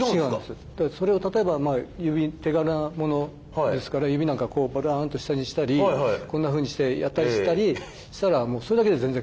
それを例えば指手軽なものですから指なんかをぶらんと下にしたりこんなふうにしてやったりしたりしたらもうそれだけで全然変わったり。